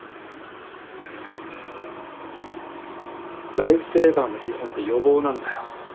ライフセーバーの基本って予防なんだよ。